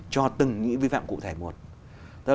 cho từng những vi phạm cụ thể một